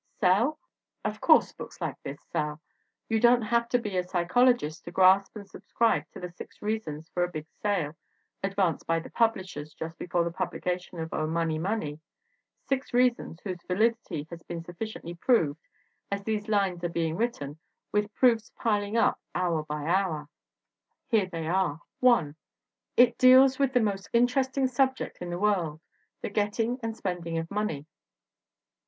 Sell? Of course books like this sell! You don't have to be a psychologist to grasp and subscribe to the six reasons for a big sale, advanced by the pub lishers just before the publication of Oh, Money! Money! six reasons whose validity has been suffi ciently proved as these lines are being written, with proofs piling up hour by hour. Here they are: 1. It deals with the most interesting subject in the world the getting and spending of money.